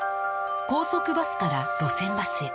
高速バスから路線バスへ